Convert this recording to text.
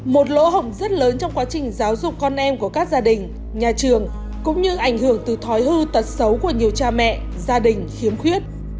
một lỗ hỏng rất lớn trong quá trình giáo dục con em của các gia đình nhà trường cũng như ảnh hưởng từ thói hư tật xấu của nhiều cha mẹ gia đình khiếm khuyết